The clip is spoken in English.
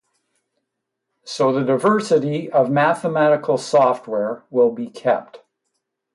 So the diversity of mathematical software will be kept.